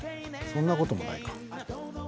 そんなことないのかな。